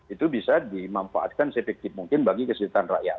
itu bisa dimanfaatkan sepektif mungkin bagi kesejahteraan rakyat